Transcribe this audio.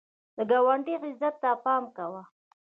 د ګاونډي عزت ته پام کوه